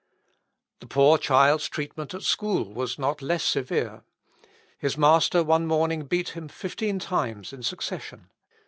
The poor child's treatment at school was not less severe. His master one morning beat him fifteen times in succession.